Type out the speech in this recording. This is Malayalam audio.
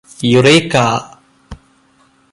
യുറേക്കാ